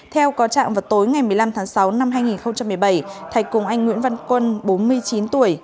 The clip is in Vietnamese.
theo có trạng vào tối ngày một mươi năm tháng sáu năm hai nghìn một mươi bảy thạch cùng anh nguyễn văn quân bốn mươi chín tuổi